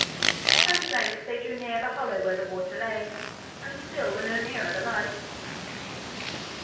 At length they drew near the hollow where the water lay, and still were no nearer the light.